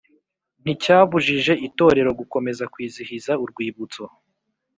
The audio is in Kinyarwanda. nticyabujije itorero gukomeza kwizihiza Urwibutso